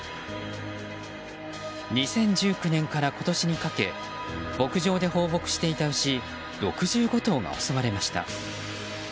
２０１９年から今年にかけ牧場で放牧していた牛６５頭が襲われました。